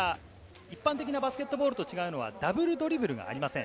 一般的なバスケットボールと違うのはダブルドリブルがありません。